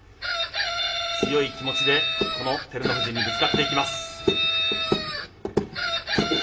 強い気持ちでこの照ノ富士にぶつかっていきます。